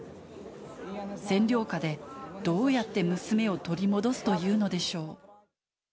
占領下で、どうやって娘を取り戻すというのでしょう。